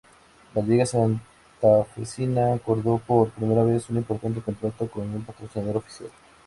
La Liga Santafesina acordó por primera vez un importante contrato con un patrocinador oficial.